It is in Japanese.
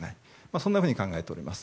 そういうふうに考えております。